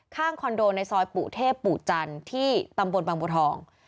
คอนโดในซอยปู่เทพปู่จันทร์ที่ตำบลบางบัวทอง